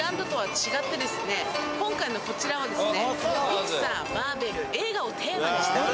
今回のこちらはですね